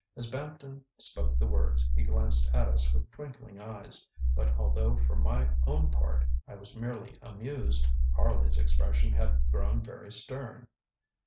'ŌĆØ As Bampton spoke the words he glanced at us with twinkling eyes, but although for my own part I was merely amused, Harley's expression had grown very stern.